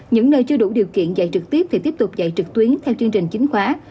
những nơi chưa đủ điều kiện dạy trực tiếp thì tiếp tục dạy trực tuyến theo chương trình chính khóa